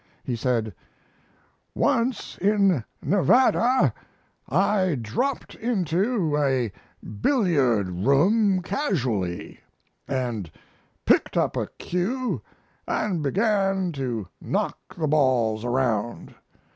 He said: "Once in Nevada I dropped into a billiard room casually, and picked up a cue and began to knock the balls around.